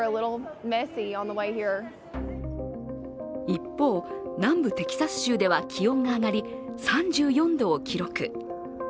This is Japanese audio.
一方、南部テキサス州では気温が上がり、３４度を記録。